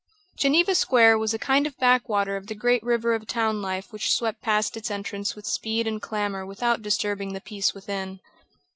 Geneva Square was a kind of backwater of the great river of town life which swept past its entrance with speed and clamour without disturbing the peace within.